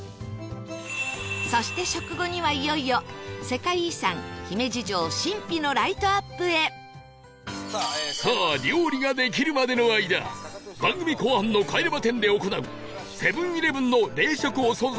そして食後にはいよいよ世界遺産姫路城さあ料理ができるまでの間番組後半の『帰れま１０』で行うセブン−イレブンの冷食お惣菜